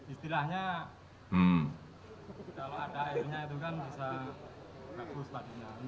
istilahnya kalau ada airnya itu kan bisa bagus padinya